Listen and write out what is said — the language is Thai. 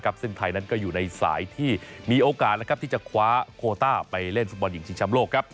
ซึ่งไทยนั้นก็อยู่ในสายที่มีโอกาสที่จะคว้าโคต้าไปเล่นฟุตบอลหญิงชิงชำโลก